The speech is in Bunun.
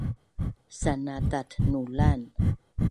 Sana tatnulan